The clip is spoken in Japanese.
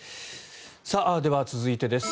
では、続いてです。